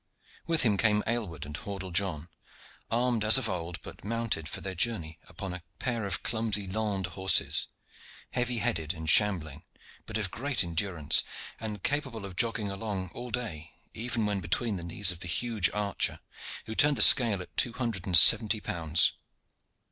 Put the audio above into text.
With him came Aylward and Hordle John, armed as of old, but mounted for their journey upon a pair of clumsy Landes horses, heavy headed and shambling, but of great endurance, and capable of jogging along all day, even when between the knees of the huge archer, who turned the scale at two hundred and seventy pounds.